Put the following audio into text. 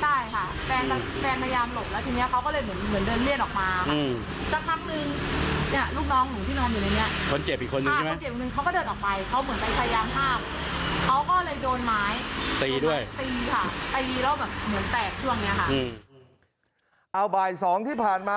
ใช่ค่ะแฟนแฟนพยายามหลบแล้วทีนี้เขาก็เลยเหมือนเหมือนเดินเลี่ยนออกมาค่ะ